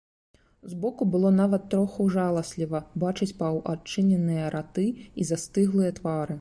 Збоку было нават троху жаласліва бачыць паўадчыненыя раты і застыглыя твары.